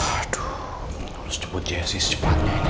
aduh harus cepat cepatnya ini